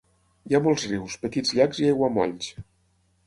Hi ha molts rius, petits llacs i aiguamolls.